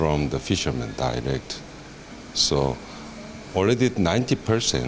semua makanan dari pesawat langsung